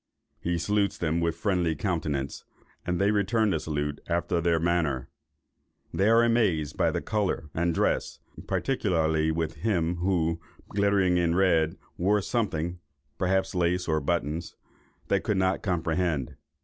He salutes them with friendly countenance, and they return the salute after their manner. They are amazed at their colour and dress, particularly with him who, glittering in red, wore something (perhaps lace, or buttons) they could not comprehend.